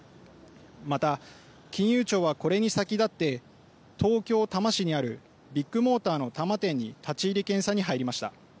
また、金融庁はこれに先立って東京多摩市にあるビッグモーターの多摩店に立ち入り検査に入りました。